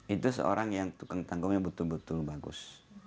itu seorang yang tukang tanggungan yang betul betul bagus